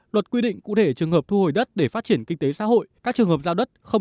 luật quy định cụ thể trường hợp thu hồi đất để phát triển kinh tế xã hội các trường hợp giao đất không